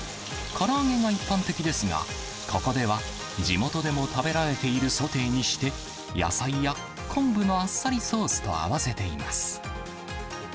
から揚げが一般的ですが、ここでは地元でも食べられているソテーにして、野菜や昆布のあっさりソースと合わせています。